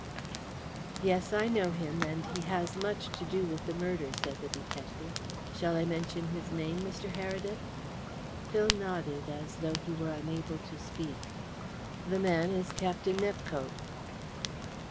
"Yes, I know him, and he has much to do with the murder," said the detective. "Shall I mention his name, Mr. Heredith?" Phil nodded, as though he were unable to speak. "The man is Captain Nepcote."